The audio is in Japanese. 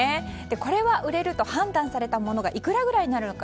これは売れると判断されたものがいくらぐらいになるのか。